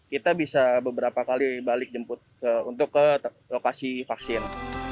kita bisa beberapa kali balik jemput untuk ke lokasi vaksin